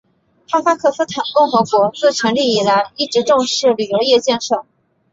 哈萨克斯坦共和国自成立以来一直重视旅游业建设。